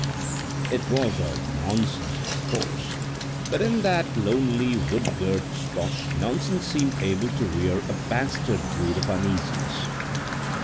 It was all nonsense, of course, but in that lonely wood girt spot nonsense seemed able to rear a bastard brood of uneasiness.